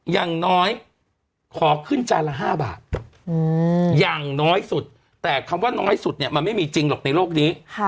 อย่างน้อยขอขึ้นจานละ๕บาทอย่างน้อยสุดแต่คำว่าน้อยสุดเนี่ยมันไม่มีจริงหรอกในโลกนี้